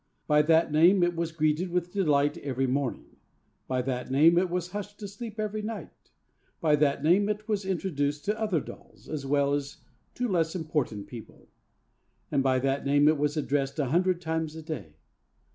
By that name it was greeted with delight every morning; by that name it was hushed to sleep every night; by that name it was introduced to other dolls, as well as to less important people; and by that name it was addressed a hundred times a day.